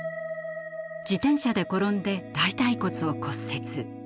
自転車で転んで大たい骨を骨折。